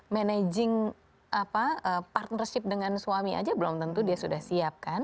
managing partnership dengan suami aja belum tentu dia sudah siapkan